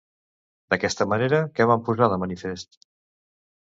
D'aquesta manera, què van posar de manifest?